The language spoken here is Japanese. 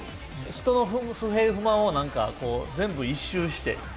人の不平不満をなんかこう全部一蹴して。